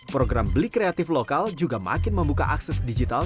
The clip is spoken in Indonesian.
program beli kreatif lokal juga makin membuka akses digital